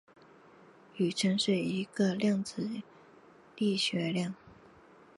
宇称是一个量子力学量。